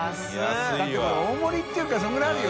世辰これ大盛りっていうかそのぐらいあるよ。